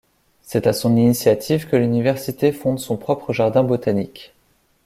C'est à son initiative que l'université fonde son propre jardin botanique.